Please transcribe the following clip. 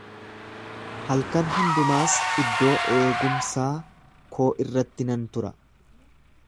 Halkan hundumaas iddoo eegumsaa koo irratti nan tura.